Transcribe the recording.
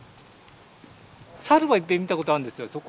サルはいっぺん見たことあるんですよ、そこ、